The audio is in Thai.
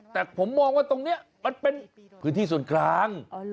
แต่ผมมองว่าตรงนี้มันเป็นพื้นที่ส่วนกลาง